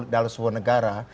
dalam sebuah negara